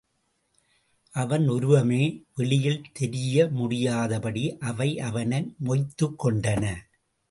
அவன் உருவமே வெளியில் தெரிய முடியாதபடி அவை அவனை மொய்த்துக்கொண்டன.